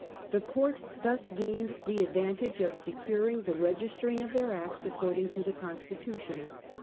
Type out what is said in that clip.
The court thus gained the advantage of securing the registering of their acts according to the constii ution.